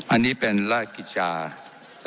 อันนี้เป็นราชกิจจา๓๖นะครับ